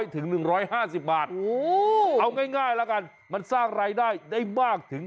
๑๐๐ถึง๑๕๐บาท